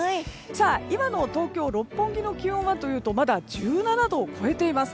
今の東京・六本木の気温はまだ１７度を超えています。